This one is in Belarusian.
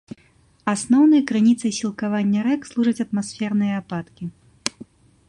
Асноўнай крыніцай сілкавання рэк служаць атмасферныя ападкі.